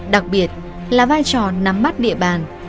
đặc biệt là vai trò nắm mắt địa bàn